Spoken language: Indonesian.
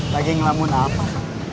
lagi ngelamun apa